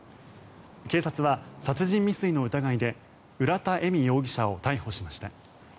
警察は殺人未遂の疑いで浦田恵美容疑者を逮捕しました。